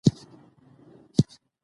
زه د انصاف هڅه کوم.